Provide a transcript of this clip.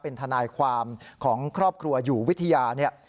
เป็นทนายความของครอบครัวอยู่วิทยาเนี่ย